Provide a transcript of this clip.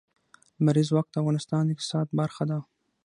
لمریز ځواک د افغانستان د اقتصاد برخه ده.